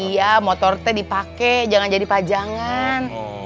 iya motor teh dipake jangan jadi pajangan